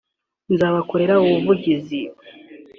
nzabakorera ubuvugizi